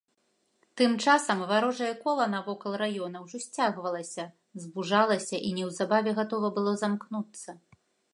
Тым часам варожае кола навакол раёна ўжо сцягвалася, звужалася і неўзабаве гатова было замкнуцца.